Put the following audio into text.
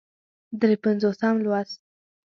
درې پينځوسم لوست